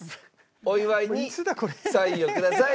「おいわいにサインください」